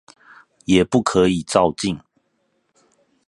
也不可以躁進